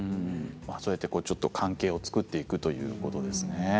ちょっと関係を作っていくということですね。